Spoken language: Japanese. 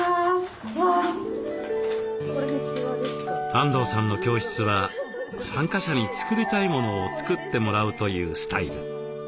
あんどうさんの教室は参加者に作りたいものを作ってもらうというスタイル。